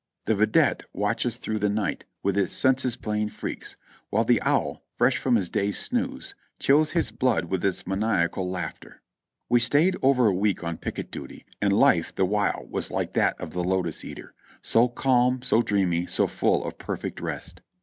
The vidette watches through the night with his senses playing freaks, while the owl, fresh from his day's snooze, chills his blood with its maniacal laughter. We stayed over a week on picket duty, and life the while was like that of the lotus eater : so calm, so dreamy, so full of perfect rest.